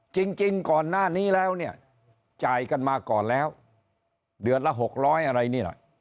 จริงก่อนหน้านี้แล้วเนี่ยจ่ายกันมาก่อนแล้วเดือนละ๖๐๐อะไรนี่แหละ